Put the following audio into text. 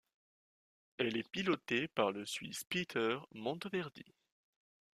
Elle est pilotée par le Suisse Peter Monteverdi.